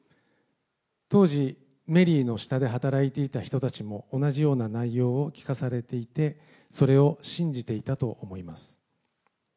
当時、メリーの下で働いていた人たちも、同じような内容を聞かされていて、それを信じていたと思います。